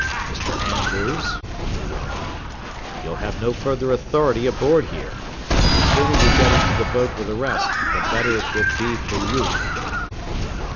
Mr. Andrews," he went on, "you'll have no further authority aboard here, and the sooner you get into the boat with the rest, the better it will be for you."